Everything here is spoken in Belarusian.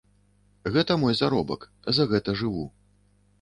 Гэта мой заробак, за гэта жыву.